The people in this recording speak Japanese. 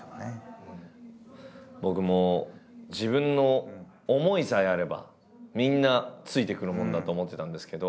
僕も自分の思いさえあればみんなついてくるもんだと思ってたんですけど。